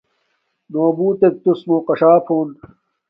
نݸ بُݸتݵک تُسمݸ قݽݳپ ہݸن.